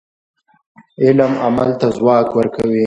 علم عمل ته ځواک ورکوي.